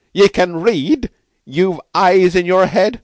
"Ye can read? You've eyes in your head?